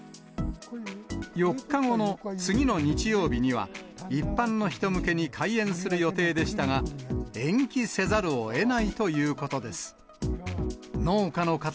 ４日後の次の日曜日には、一般の人向けに開園する予定でしたが、延期せざるをえないということです。